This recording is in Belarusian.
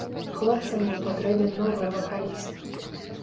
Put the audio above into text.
Хлопцам быў патрэбен новы вакаліст.